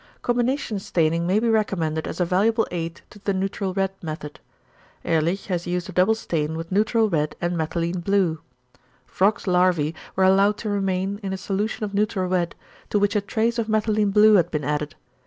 Combination staining may be recommended as a valuable aid to the neutral red method. Ehrlich has used a double stain with neutral red and methylene blue. Frog's larvæ were allowed to remain in a solution of neutral red, to which a trace of methylene blue had been added.